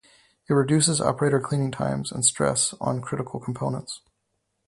It reduces operator cleaning time and stress on critical components.